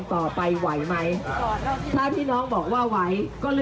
รัฐบาลนี้ใช้วิธีปล่อยให้จนมา๔ปีปีที่๕ค่อยมาแจกเงิน